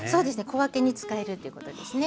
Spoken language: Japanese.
小分けに使えるということですね。